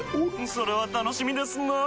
それは楽しみですなぁ。